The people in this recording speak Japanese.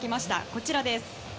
こちらです。